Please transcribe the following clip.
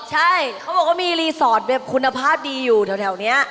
ใช่เขาบอกว่ามีรีสอร์ทแบบคุณภาพดีอยู่แถวนี้